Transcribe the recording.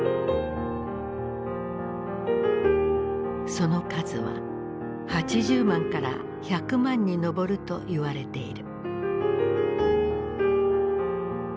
その数は８０万から１００万に上るといわれている。